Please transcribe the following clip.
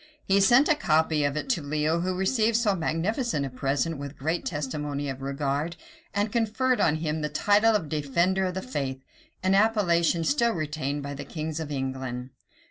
He sent a copy of it to Leo, who received so magnificent a present with great testimony of regard; and conferred on him the title of "defender of the faith;" an appellation still retained by the kings of England.